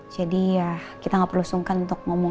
jadi ya kita gak perlu sungkan untuk ngomong